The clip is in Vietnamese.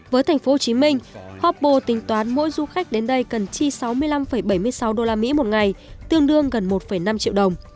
với thành phố hồ chí minh hoppa tính toán mỗi du khách đến đây cần chi sáu mươi năm bảy mươi sáu usd một ngày tương đương gần một năm triệu đồng